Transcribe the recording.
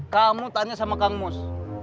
kamu tanya sama kang mus